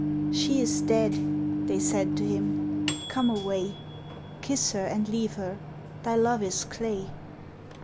"She is dead!" they said to him; "come away; Kiss her and leave her, thy love is clay!"